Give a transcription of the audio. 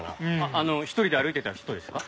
あの１人で歩いてた人ですか？